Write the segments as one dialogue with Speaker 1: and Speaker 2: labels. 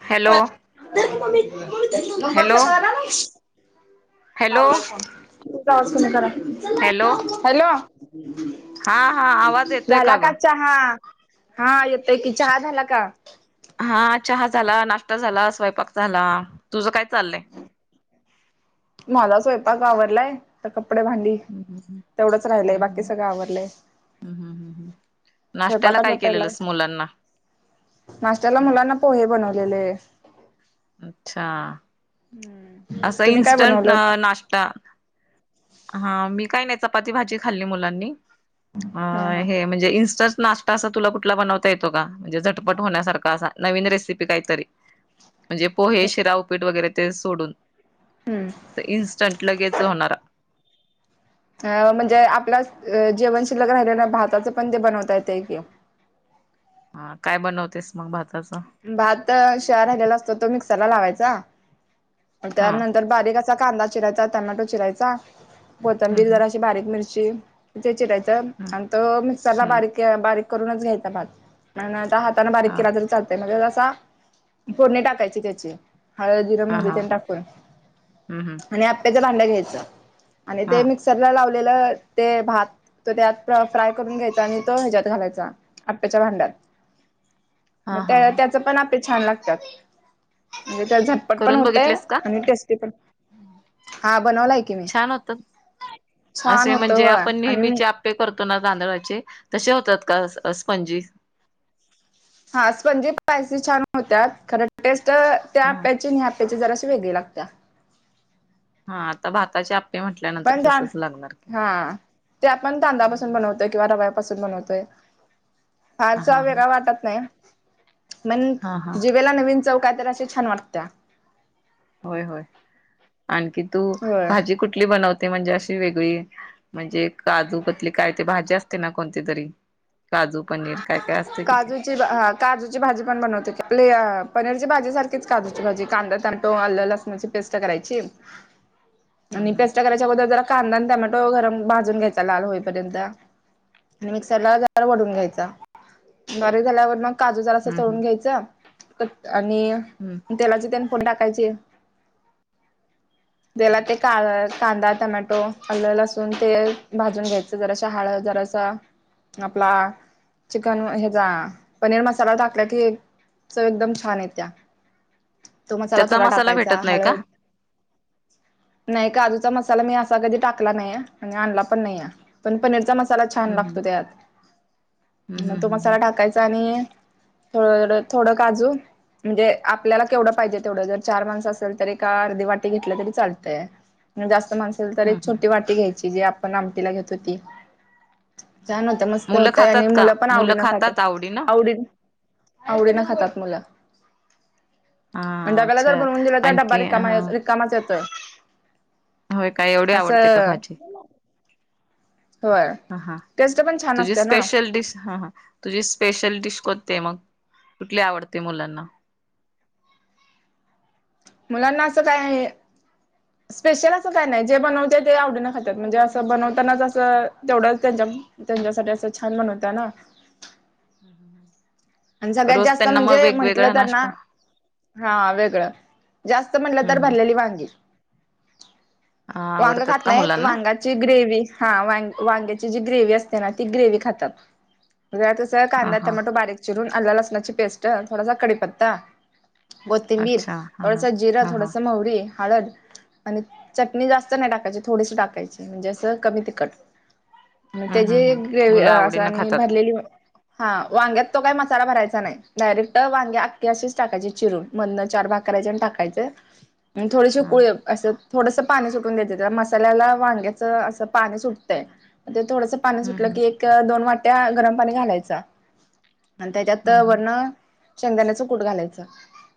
Speaker 1: ह hello hello
Speaker 2: [inaudible]
Speaker 1: hello
Speaker 2: [inaudible] [inaudible] करा
Speaker 1: hello
Speaker 2: hello
Speaker 1: हा हा आवाज येतोय
Speaker 2: झाला का
Speaker 1: ग
Speaker 2: चहा हा येतोय कि चहा झाला का
Speaker 1: हा चहा झाला नाश्ता झाला स्वयंपाक झाला तुझ काय चाललंय
Speaker 2: माझा स्वयंपाक आवरलाय कपडे भांडी
Speaker 1: हम्म
Speaker 2: तेवढच राहिलय बाकी
Speaker 1: हम्म
Speaker 2: सगळ आवडलय
Speaker 1: हम्म नाश्त्याला
Speaker 2: स्वयंपाकाचा
Speaker 1: काय
Speaker 2: पहिला
Speaker 1: केलेलंस मुलांना
Speaker 2: नाशत्याला मुलांना पोहे बनवलेले
Speaker 1: अच्छा असं
Speaker 2: तुम्ही काय
Speaker 1: इन्स्टंट
Speaker 2: बनवलं
Speaker 1: नाश्ता हा मी काय नाही चपाती भाजी खाल्ली मुलांनी. अ
Speaker 2: हा हा
Speaker 1: हे म्हणजे इंस्ट नाश्टा तसा तुला कुठला बनवता येतो का म्हणजे झटपट होण्यासारखा असा नवीन रेसिपी काहीतरी म्हणजे पोहे, शिरा उपीट वगैरे ते सोडून
Speaker 2: हम्म
Speaker 1: अस इन्स्टंट लगेच होणारा
Speaker 2: अ म्हणजे आपल्या जेवनशिल्लक राहिल्यान भारताचं पण ते बनवता येते कि
Speaker 1: हा काय बनवतेस. मग भाताचं
Speaker 2: भात शिळि राहिलेला असतो तो मिक्सरला लावायचा. जा
Speaker 1: हा
Speaker 2: त्यानंतर बारीक अस कांदा चिरायचा, टमॅटो चिरायचा
Speaker 1: हम्म
Speaker 2: कोथंबीर
Speaker 1: हम्म
Speaker 2: अशी बारीक मिरची त्याच
Speaker 1: हम्म
Speaker 2: आणि तो मिक्सरला
Speaker 1: हम्म
Speaker 2: बारीक बारीक करूनच घ्यायचा भात कारण हात बारीक
Speaker 1: हा
Speaker 2: केला तर चालतय. फोडणी टाकायचे त्याची हळद, जीरा,.
Speaker 1: हा
Speaker 2: मोहरी
Speaker 1: हा
Speaker 2: टाकून
Speaker 1: हम्म हम्म
Speaker 2: भांड घ्यायच आणि
Speaker 1: हा
Speaker 2: ते मिक्सरला लाव [unintelligible] ते भात त्यात फ्राय करून घ्यायचा आणि तो ह्याच्यात घालायचा आप्याच्या भांड्यात. म
Speaker 1: हा हा
Speaker 2: त्या
Speaker 1: हा
Speaker 2: त्याच पण आप ते छान लागतात. म्हणजे त्या झटपट पण
Speaker 1: करून
Speaker 2: हो होतय
Speaker 1: बघितलेस का
Speaker 2: आणि टेस्टी पण, हा बनवला आहे की मी,
Speaker 1: छान होतात
Speaker 2: छान
Speaker 1: असे
Speaker 2: होत
Speaker 1: म्हणजे आपण
Speaker 2: आणि
Speaker 1: नेहमीचे आप्पे करतो ना तांदळाचे तसे होतात का स स्पंजी.
Speaker 2: हा स्पंजी स्पायसी छान होत्यात, खरं टेस्ट त त्या
Speaker 1: हा
Speaker 2: आप्याचे आणि ह्या आप्याचे जरास वेगळी लागत्या.
Speaker 1: हा आता भाताचे आप
Speaker 2: पण धान, हां ते आपण
Speaker 1: हम्म
Speaker 2: तांदळापासून
Speaker 1: हम्म
Speaker 2: बनवतोय किंवा रव्यापासून बनवतोय.
Speaker 1: हा हा
Speaker 2: फारसा
Speaker 1: हा
Speaker 2: वेगळा वाटत नाही. मण
Speaker 1: हा हा
Speaker 2: जीभेला नवीन चव काय तर अशी छान वाटतंया.
Speaker 1: होय होय, आणखी तू,
Speaker 2: होय.
Speaker 1: भाजी कुठली बनव ते म्हणजे अशी वेगळी, म्हणजे काजू कतली काय ते भाजी असते ना कोणती तरी. काजू पनीर काय काय असते कि ते
Speaker 2: काजूची, हा काजूची भाजी बनवतो की, [unintelligible] पनीरची भाजी सारखीच काजूची भाजी कांदा, टोमॅटो, आलं, लसूणची पेस्ट करायची.
Speaker 1: हम्म
Speaker 2: आणि
Speaker 1: हम्म
Speaker 2: पेस्ट करायच्या अगोदर जरा कांदा आन टमॅटो गरम भाजून घ्यायचा लाल होईपर्यंत आणि मिक्सरला जरा वढून घ्यायच. बारीक झाल्यावर मग काजू जरास
Speaker 1: हम्म
Speaker 2: तळून घ्यायच. [unintelligible] आणि
Speaker 1: हम्म
Speaker 2: तेलाची तेन फोडणी टाक पाहिजे. त्याला
Speaker 1: हम्म
Speaker 2: ते [unintelligible] कांदा, टमॅटो, आल, लसूण, तेल भाजून घ्यायचं, जरासी हळद, जरासा आपला चिकन ह्याजा पनीर मसाला टाकला की चव एकदम छान येत्या. तो मसाला
Speaker 1: त्याचा
Speaker 2: थोडा टाकायचा,
Speaker 1: भेटत नाही का?
Speaker 2: हळद, नाही काजू त्याचा मसाला मी असा कधी टाकला नाही आहे आणि आणला पण नाहीे आहे, पण पनीरचा मसाला त्याला छान
Speaker 1: हम्म
Speaker 2: लागतो त्यात.
Speaker 1: हम्म
Speaker 2: म
Speaker 1: हम्म
Speaker 2: तो मसाला
Speaker 1: हम्म
Speaker 2: टाकायचा आणि थोड थोडं काजू म्हणजे, आपल्याला केवढं पाहिजे तेवढं, जर चार माणसं असल तर एका अर्धी वाटी घेतलं तरी चालतंय, जास्त असलं तर एक
Speaker 1: हम्म हम्म
Speaker 2: छोटी वाटी घे. ते जे आपण आम लागत होती.
Speaker 1: हम्म.
Speaker 2: छान
Speaker 1: हा.
Speaker 2: होत. मस्त हो
Speaker 1: मुलं
Speaker 2: ते आणि
Speaker 1: खातात का?
Speaker 2: मुलं पण आवडीनं खातात,
Speaker 1: आवडीनं?
Speaker 2: आवडीन-आवडीनं खातात मुलं. पण
Speaker 1: हा
Speaker 2: डब्याला जर
Speaker 1: अच्छा
Speaker 2: बनवून दिला तर, डब्बा
Speaker 1: आणखी
Speaker 2: रिकामा
Speaker 1: हा
Speaker 2: येतोय, रिकामाच येत [unintelligible]
Speaker 1: होय का, एवढी आवडते का भाजी?
Speaker 2: होय.
Speaker 1: अहां,
Speaker 2: टेस्ट पण छान
Speaker 1: तुझी
Speaker 2: असते ना
Speaker 1: स्पेशल डिश हां हां, तुझी स्पेशल डिश कोणती आहे मग? कुठली आवडते मुलांना?
Speaker 2: मुलांना असं काय स्पेशल असं काय नाही, जे बनवते ते आवडीने खातात. म्हणजे असं बनवतानाचं असं, तेवढं त्याच्यात, त्यांच्यासाठी असं छान बनवते ना? आणि सगळ्यात
Speaker 1: रोज
Speaker 2: जास्त
Speaker 1: त्यांना मग
Speaker 2: म्हणजे म्हंटलं
Speaker 1: वेगवेगळा
Speaker 2: तर ना
Speaker 1: नाश्ता
Speaker 2: हा वेगळं जास्त म्हटलं
Speaker 1: हम्म
Speaker 2: तर
Speaker 1: हम्म
Speaker 2: भरलेली वांगी.
Speaker 1: हा
Speaker 2: वांग
Speaker 1: आवडतात
Speaker 2: खात
Speaker 1: का
Speaker 2: नाहीत
Speaker 1: मुलांना?
Speaker 2: वांगाची ग्रेव्ही हा वां वांग्याची ती जी ग्रेव्ही असते ना ती ग्रेव्ही खातात. ज तसं
Speaker 1: हा
Speaker 2: कांदा
Speaker 1: हा
Speaker 2: टमाॅटो बारीक वरुन आल लसणाची पेस्ट थोडासा कडीपत्ता. कोथिंबीर,
Speaker 1: अच्छा हा हा
Speaker 2: थोडासा जिरा,
Speaker 1: हा हा
Speaker 2: थोडासा मवरी हळद आणि चटणी जास्त नाही टाकायची थोडीशी टाकायची म्हणजे असं कमी तिखट म
Speaker 1: हम्म हम्म
Speaker 2: त्याची
Speaker 1: हम्म
Speaker 2: ग्रेवी
Speaker 1: मुलं
Speaker 2: असं
Speaker 1: आवडीनं
Speaker 2: आणि
Speaker 1: खातात.
Speaker 2: भरलेली हा वांग्यात तो काही मसाला भरायचा नाही. डायरेक्ट वांगे आखखे अशीच टाकायचे चिरून मधनं चार भाग करायचे आणि टाकायचे. थोडेसे
Speaker 1: हा
Speaker 2: कुळे असं थोडस पाणी सुटून द्यायच तर मसाल्याला वांग्याच असं पाणी सुटतंय थोडस पाणी
Speaker 1: हम्म
Speaker 2: सुटलं
Speaker 1: हम्म
Speaker 2: की एक दोन वाट त्या गरम पाणी घालायचा. आणि त्याच्यात
Speaker 1: हम्म हम्म.
Speaker 2: वरण शेंगदाण्याच कूट घालायचं.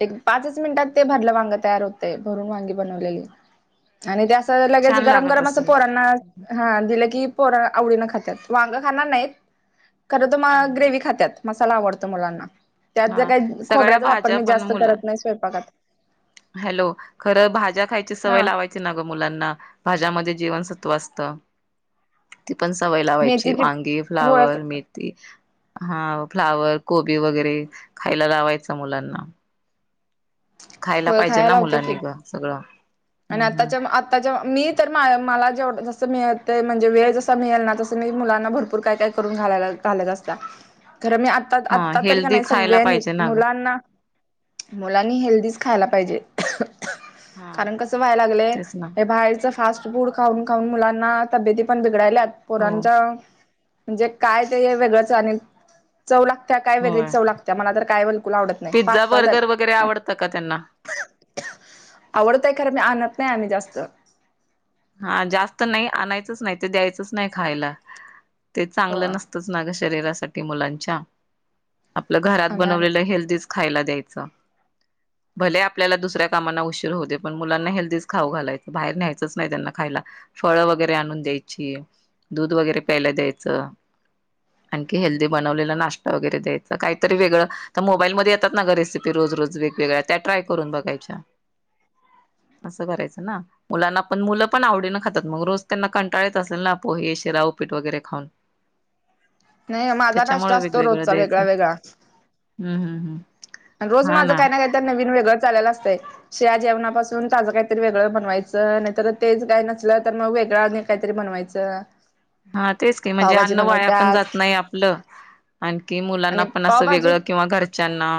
Speaker 2: एक पाच मिनिटात ते भरलं वांग तयार होत. भरून वांगी बनवलेली. आणि त्या लगेच
Speaker 1: छान
Speaker 2: गरम
Speaker 1: लागत
Speaker 2: गरम असं
Speaker 1: असेल.
Speaker 2: पोरांना हा दिलं की पोर आवडीन खातात वांग खाणार नाहीत खरं तु मग ग्रेव्ही खात्यात. मसाला आवडतो मुलांना. त्यात ज
Speaker 1: हा
Speaker 2: काही
Speaker 1: सगळ्या
Speaker 2: खोबऱ्याचा वापर
Speaker 1: भाज्या
Speaker 2: मी
Speaker 1: पण
Speaker 2: जास्त
Speaker 1: मुलं
Speaker 2: करत नाही स्वयंपाकात
Speaker 1: हॅलो खरं भाज्या खायची सवय
Speaker 2: हा
Speaker 1: लावायची ना ग मुलांना भाज्यामध्ये जीवनसत्त्व असत. ती पण सवय लावायची.
Speaker 2: मेथीची
Speaker 1: वांगी,
Speaker 2: होळ
Speaker 1: फ्लावर, मेथी हा फ्लावर, कोबी वगैरे. खायला लावायचं मुलांना. खायला
Speaker 2: होय
Speaker 1: पाहिजे
Speaker 2: खाया
Speaker 1: ना
Speaker 2: लावते की
Speaker 1: मुलांनी गं सगळं
Speaker 2: आणि
Speaker 1: हम्म
Speaker 2: आताच्या
Speaker 1: हम्म
Speaker 2: आताच्या मी तर मा मला जेवढ जस मिळ म्हणजे वेळ जसा मिळेल ना तस मी मुलांना भरपूर काय काय करून घाला घालत असता खरं मी आता
Speaker 1: हा
Speaker 2: आत्ता तररी का
Speaker 1: हेल्दी
Speaker 2: नाही
Speaker 1: खायला
Speaker 2: सगळ्यांनी
Speaker 1: पाहिजे ना गं
Speaker 2: मुलांना हेल्दीच खायला पाहिजे
Speaker 1: हा
Speaker 2: कारण कसं व्हायला लागलंय
Speaker 1: तेच ना
Speaker 2: हे बाहेरच फास्ट फूड खाऊ खऊन मुलांना तब्येती पण बगडालात
Speaker 1: हो
Speaker 2: पोरांचा म्हणजे काय ते वेगळंच आणल चव लागत्या काय वेगळीच
Speaker 1: होय
Speaker 2: चव लागत्या मला तर काय बोल आवडत नाही
Speaker 1: पिझ्झा
Speaker 2: पाच दर
Speaker 1: बर्गर वगैरे आवडतं का त्यांना?
Speaker 2: आवडतय खरं मी आणत नाही आम्ही जास्त. जा
Speaker 1: हा जास्त नाही आणायचंच नाही ते द्यायचंच नाही खायला. ते
Speaker 2: हो
Speaker 1: चांगलं नसतंच ना गं शरीरासा ते मुलांच्या आपलं घरात
Speaker 2: आम्ही आण
Speaker 1: बनवलेलं हेल्दीच खायला द्यायच भले आपल्याला दुसऱ्या कामना उशीर होऊ दे पण मुलांना हेल्दीच खाऊ घालायच बाहेर न्यायचच त्यांना खायला फळ वगैरे आणून द्यायची दूध वगैरे प्यायला द्यायच आणखी हेल्दी बनवलेला नाश्ता वगैरे द्यायच काहीतरी वेगळं तर मोबाईल म येतात ना ग रेसिपी रोज रोज वेगवेगळ्या त्या ट्राय करून बघायच्या असं करायच ना मुलांना पण मुलं पण आवडीनं खातात मग रोज त्यांना कंटाळत असेल ना पोहे शीरा उपीट वगैरे खाऊन.
Speaker 2: नाही माझा नाष्टा
Speaker 1: त्याच्यामुळे
Speaker 2: असतो रोजचा वेगळा वेगळा.
Speaker 1: हम् हम् हम्
Speaker 2: रोज माझं काही ना काही तर नवीन वेगळं चालेलं असतय. शीळ्या जेवणापासून ताज काहीतरी वेगळ बनवायच नाहीतर तेच काय नसल तर मग वेगळ आणि काहीतरी बनवायच.
Speaker 1: हा तेच की म्हणजे अन्न वाया पण जात नाही आपल आणखी मुलांना
Speaker 2: आणि
Speaker 1: पण अस
Speaker 2: पावभाजीत
Speaker 1: वेगळ किंवा घरच्यांना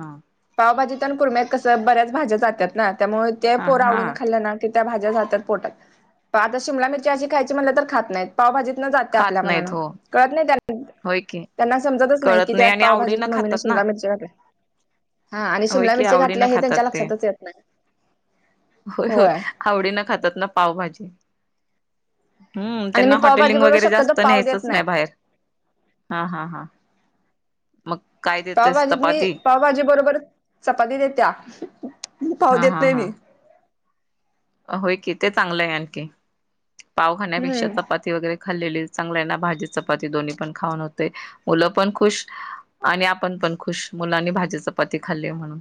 Speaker 1: हा
Speaker 2: पावभाजीत आणि कुम्यात कस बऱ्याच भाज्या जात्यात ना त्यामुळे ते
Speaker 1: हा
Speaker 2: पोर
Speaker 1: हा
Speaker 2: आवडीन खाल्ल ना भाज्या जातात पोटात आता शिमला मिरची अशी खायची म्हटल तर खात नाहीत पावभाजीत जात
Speaker 1: खात
Speaker 2: आपल्या मनान
Speaker 1: नाहीत हो
Speaker 2: कळत नाही त्याला
Speaker 1: होय की
Speaker 2: त्यांना समजतच नाही
Speaker 1: कळत
Speaker 2: की त्यात
Speaker 1: आणि आवडीनं
Speaker 2: पावभाजीत मम्मीने
Speaker 1: खातात ना
Speaker 2: शिमला मिरच्या घातल्या. हा आणि
Speaker 1: होय
Speaker 2: शिमला
Speaker 1: की
Speaker 2: मिरची
Speaker 1: आवडी न
Speaker 2: घातल्या हे
Speaker 1: खातात
Speaker 2: त्यांच्या
Speaker 1: ते
Speaker 2: लक्षातच येत नाही.
Speaker 1: होय होय आवडी न खातात ना पावभाजी. हम्म
Speaker 2: आणि
Speaker 1: त्यांना
Speaker 2: मी पावभाजी
Speaker 1: हॉटेलिंग
Speaker 2: बरोबर
Speaker 1: वगैरे
Speaker 2: शक्यतो
Speaker 1: जास्त
Speaker 2: पाव
Speaker 1: न्यायचंच
Speaker 2: देत
Speaker 1: नाही बाहेर हा हा हा मग काय देतेस
Speaker 2: पावभाजीत मी
Speaker 1: चपाती.
Speaker 2: पावभाजी बरोबर चपाती देत्या. पाव देत नाही मी.
Speaker 1: अ होय कि ते चांगलं आहे आणखी. पाव खाण्यापेक्षा
Speaker 2: हम्म
Speaker 1: चपाती वगैरे खाल्लेली चांगलं आहे ना भाजी चपाती दोन्ही पण खाऊन होते. मुलं पण खुश आणि आपण पण खुश मुलांनी भाजी चपाती खाल्ली म्हणून.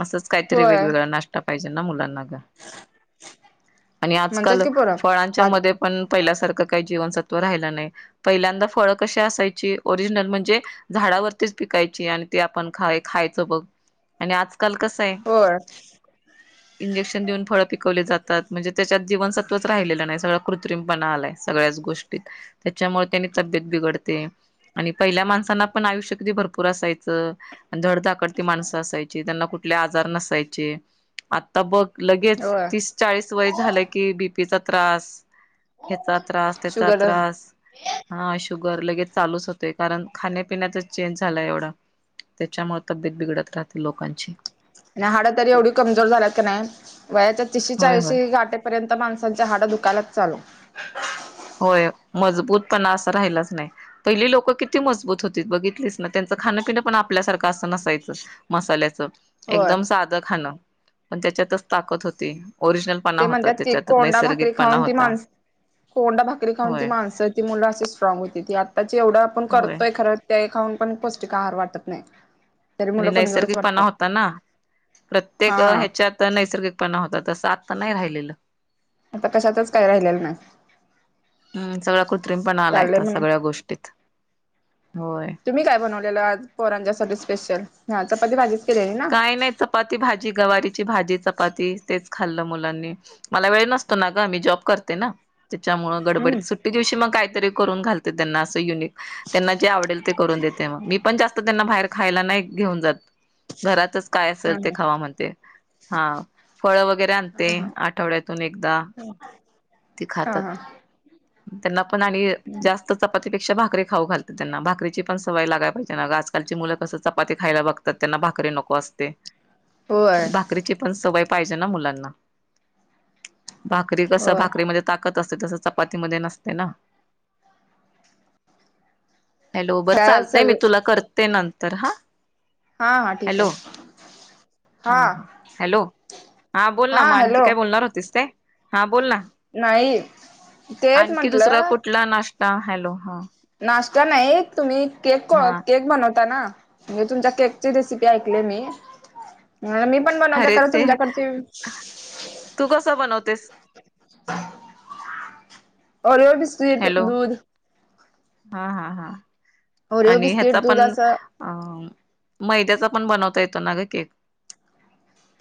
Speaker 1: असंच काहीतरी
Speaker 2: होय
Speaker 1: वेगवेगळा नाष्टा. पाहिजे ना मुलांना ग. आणि
Speaker 2: म्हणतात
Speaker 1: आजकाल
Speaker 2: की पोरं.
Speaker 1: फळांच्या
Speaker 2: भाज
Speaker 1: मध्ये पण पहिल्यासारखं काही जीवनसत्व राहिलं नाही. पहिल्यांदा फळं कशी असायची ओरिजनल म्हणजे, झाडावरतीच पिकायची आणि ते आपण खा खायच बघ आणि आज आजकाल कसं हाय.
Speaker 2: होय
Speaker 1: इंजेक्शन देऊन फळ पिकवले जातात. म्हणजे त्याच्यात जीवन सत्वच राहिलेलं नाही सगळ कृत्रिमपणा आलाय सगळ्याच गोष्टीत त्याच्यामुळे त्यांनी पिकवले जातात म्हणजे त्यात सगळा जीवनसत्वच राहिले नाहीत सगळा कृत्रिम पणा आलाय सगळच गोष्टीत त्याच्यामुळे तब्येत बिघडते आणि पहिल्या माणसांना पण आयुष्य कती भरपूर असायचं असायचं धडधाकडती माणसं असायची. त्यांना कुठले आजार नसायचे. आता बघ लगेच
Speaker 2: होय
Speaker 1: तीस चाळीस वय झालं की बीपी चा त्रास हेचा त्रास त्याचा
Speaker 2: शुगर
Speaker 1: त्रास.
Speaker 2: आणि
Speaker 1: हा शुभ गर लगेच चालूच होते. कारण खाण्यापिण्याचाच चेंज झालाय एवढा त्याच्यामुळे तब्येत बिघडत राहते लोकांची.
Speaker 2: आणि हाडं तरी एवढी कमजोर झाल्यात कनाय वयाच्या तिशी,
Speaker 1: होय होय
Speaker 2: चाळीशीे गाटेपर्यंत माणसा- हाडं दुखायलाच चालू.
Speaker 1: होय मजबूत पना असं राहिलाच नाही. पहिली लोक किती मजबूत होती बघितलीस ना, त्यांचं खाणपिनं पण आपल्यासारखं असं नसायचं मसाल्याचं.
Speaker 2: होय
Speaker 1: एकदम साधं खाणं. पण त्याच्यातच ताकद होती. ओरिजनलपणा
Speaker 2: ते
Speaker 1: होता
Speaker 2: म्हणतात ती
Speaker 1: त्याच्यात
Speaker 2: कोंडा भाकरी
Speaker 1: नैसर्गिकपणा
Speaker 2: खाऊन ती
Speaker 1: होता
Speaker 2: माणस, कोंडा भाक भाकरी खाऊन ती
Speaker 1: होय.
Speaker 2: माणसं ती मूल अशी स्ट्राँग होती. ती आताची एवढं आपण
Speaker 1: होय
Speaker 2: करतोय खर ते काही खाऊन पण पौष्टिक आहार वाटत नाही. तरी
Speaker 1: आणि
Speaker 2: मुलं कमजोरच
Speaker 1: नैसर्गिकपणा
Speaker 2: वाटतात
Speaker 1: होता ना, प्रत्येक
Speaker 2: हा
Speaker 1: ह्याच्यात नैसर्गिकपणा होता. तसं आता नाही राहिलेलं.
Speaker 2: आता कशातच काय राहिलेल नाय.
Speaker 1: हम्म सगळा कृत्रिम पना आलाय आता सगळ्या गोष्टीत होय.
Speaker 2: तुम्ही काय बनवलेलं आज पोरांच्यासाठी स्पेशल. हा चपाती भाजीच केलेली ना
Speaker 1: काय नाही चपाती, भाजी. गवारीची भाजी, चपाती तेच. खाल्लं मुलांनी मला वेळ नसतो ना ग, मी जॉब करते ना. त्याच्यामुळं
Speaker 2: हम्म
Speaker 1: गडबडीत सुट्टी दिवशी मग काय तरी करून घालते त्यांना असं युनिक त्यांना जे आवडेल ते करून देते मग मी पण जास्त त्यांना बाहेर खायला नाही घेऊन जात. घरातच काय
Speaker 2: हा
Speaker 1: असेल ते
Speaker 2: हा
Speaker 1: खावा म्हणते हा फळ वगैरे आणते
Speaker 2: हा
Speaker 1: आठवड्यातून एकदा ते
Speaker 2: हा हा
Speaker 1: खातात.
Speaker 2: हा
Speaker 1: त्यांना पण आणि जास्त चपातीपेक्षा भा करी खाऊ घालते. त्यांना भाकरीची पण सवय लागाय पाहिजे ना. आजकालची मुलं कस चपाती खायला बघतात, त्यांना भाकरी नको असते.
Speaker 2: होय
Speaker 1: पण भाकरीची पण सवय पाहिजे ना मुलांना. भाकरी कस
Speaker 2: होय
Speaker 1: भाक रीत कसं ताकत असते तस चपातीमध्ये नसते ना. हॅलो बरं
Speaker 2: काय
Speaker 1: चालतंय मी
Speaker 2: सगळ
Speaker 1: तुला करते नंत तर ह.
Speaker 2: हा हा ठीक
Speaker 1: हॅलो
Speaker 2: आहे
Speaker 1: हा हा हॅलो हा बोल ना मग आणखी काय बोलणार होतीस काय? हा बोल ना.
Speaker 2: नाही तेच म्हंटलं
Speaker 1: ष्टा हॅलो हां.
Speaker 2: नाश्ता नाही तुम्ही केक
Speaker 1: हा
Speaker 2: केक बनवता ना? म्हणजे तुमच्या केकची रेसिपी ऐकली मी. हा मी पण बनदवते
Speaker 1: अरे
Speaker 2: खरं
Speaker 1: ते
Speaker 2: तुमच्याकडचे
Speaker 1: तू कसं बनवतेस?
Speaker 2: ओरिओ बिस्कीट,
Speaker 1: हॅलो
Speaker 2: दूध
Speaker 1: हा हा हा.
Speaker 2: ओरिओ
Speaker 1: आणि ह्याचा
Speaker 2: बिस्किट दूध
Speaker 1: पण
Speaker 2: असं
Speaker 1: अं मैद्याचा पण बनवता येतो ना ग केक?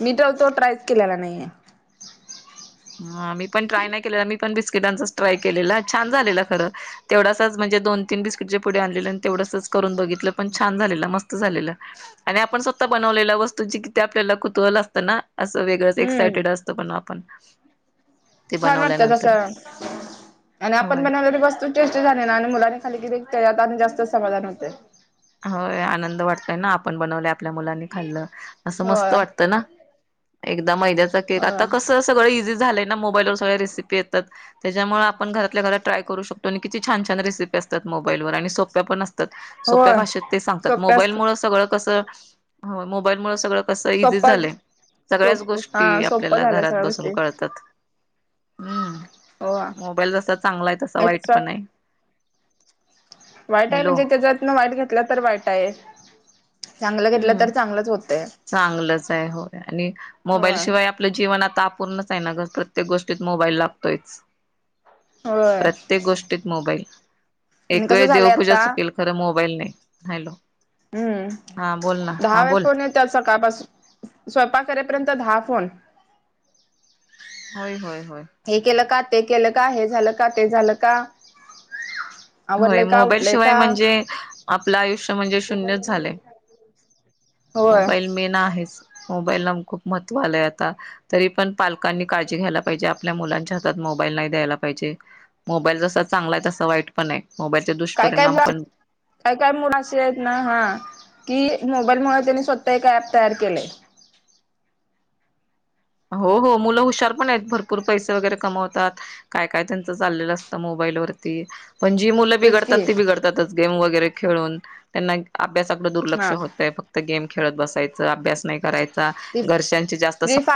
Speaker 2: मी तर तो ट्रायच केलेला नाहीये
Speaker 1: हा मी पण ट्राय नाही केलं, मी पण बिस्किटांचाच ट्राय केलेला छान झालेलं खरं तेवढा चाच म्हणजे दोन तीन बिस्किट चे पुढे आणलेले तेवढासच करून बघितलं पण छान झालेलं खरं. मस्त झालेलं. आणि आपण स्वतः बनवलेल्या वस्तू जे किती आपल्याला कुतवल असतं ना. असं वेगळं
Speaker 2: हम्म
Speaker 1: एक्सायटेड असतं पण आपण. ते
Speaker 2: छान वाटतं तस
Speaker 1: बनवल्यानंतर
Speaker 2: आणि आपण
Speaker 1: होय
Speaker 2: बनवणारी वस्तू टेस्टी झाली ना आणि मुलानी खाली कि त्याच्यात आणि जास्त समाधान होते.
Speaker 1: होय आनंद वाटतय ना आपण बनवल्या. आपल्या मुलांनी खाल्लं असं मस्त
Speaker 2: होय
Speaker 1: वाटत ना. मै्या के आता
Speaker 2: होय
Speaker 1: कसं सगळ. झा मोबाईल वर सग्या रेसिपी येतात त्याच्यामुळे आपण घरात घरा ट्राय करू शको किती छान छान रेसिपी असतात मोबाईलवर आणि सोप्या पण असत. [inaudible] ्या
Speaker 2: होय
Speaker 1: भाषेत ते सांगतात
Speaker 2: सोप्या
Speaker 1: मोबाईल
Speaker 2: असत
Speaker 1: मु सगळं कसं. हो मोबाईलमुळे सगळं. इी
Speaker 2: सोप्पा
Speaker 1: झाय सगळ्याच
Speaker 2: सोप हा
Speaker 1: गोष्टी
Speaker 2: सोप्प
Speaker 1: आपल्याला
Speaker 2: झाल्या
Speaker 1: घरात
Speaker 2: सगळ्या
Speaker 1: बसून
Speaker 2: गोष्टी
Speaker 1: कतात
Speaker 2: हो
Speaker 1: मोबाल जसा चांगला आहे तसा वाईट
Speaker 2: एक्स्ट्रा
Speaker 1: पण आहे.
Speaker 2: वाईट आहे
Speaker 1: हॅलो
Speaker 2: म्हणजे त्याच्यातं वाईट घेत. लं तर वाईट आहे. चांगलं घेतलं
Speaker 1: हम्म.
Speaker 2: तर चांगलंच होतं.
Speaker 1: चांगलंच आहे हो आणि मोबाईल
Speaker 2: होय
Speaker 1: शिवाय आपलं जीवन आता पूर्णच आहे ना प्रत्येक गोष्टीत मोबाईल लागतोयच.
Speaker 2: होय
Speaker 1: प्रत्येक गोष्टीत मोबाईल.
Speaker 2: आणि
Speaker 1: एक
Speaker 2: कसं
Speaker 1: वेळ
Speaker 2: झालंय
Speaker 1: देवपूजा
Speaker 2: आता
Speaker 1: चुकेल खरं मो मोबाईल नाही. हॅलो.
Speaker 2: हम्म
Speaker 1: हा बोल ना हा बोल.
Speaker 2: स्वतः करे पर्यंत दहा फोन.
Speaker 1: होय होय. होय
Speaker 2: हे केलं का ते केलं का हे झालं का ते झालं का
Speaker 1: होय
Speaker 2: आवरलंय का
Speaker 1: मोबाईल
Speaker 2: उठलंय
Speaker 1: शिवाय
Speaker 2: का
Speaker 1: म्हणजे आपल आयुष्य म्हणजे शून्यच झाले
Speaker 2: होय
Speaker 1: मोबाईल मेन आहेच. मोबाईलला खूप महत्त्व आलंय आता तरी पण पालकांनी काळजी घ्यायला पाहिजे आपल्या मुलांच्या मोबाईल नाही द्यायला पाहिजे. मोबाईल जसा चांगला आहे तसा वाईट पण आहे. मोबाईलचे
Speaker 2: काय काय
Speaker 1: दुष्परिणाम पण
Speaker 2: काय काय मुलं असे आहेत ना हा की मोबाईल मुळ त्यांनी स्वतः एक ऍप तयार केलंय.
Speaker 1: हो हो मुलं हुशार पण आहेत भरपूर पैसे वगैरे कमवतात काय काय त्यांचं चाललेलं असतं मोबाईल वरती. पण जी मुलं बी
Speaker 2: तेच की
Speaker 1: घडताती बी घडतातच गेम वगैरे. खेळून त्यांना अभ्यासाकडे दुर्लक्ष
Speaker 2: हा
Speaker 1: होतंय फक्त गेम खेळत बसायचं अभ्यास नाही करायचा
Speaker 2: ती
Speaker 1: घरच्यांशी जास्त
Speaker 2: फ्री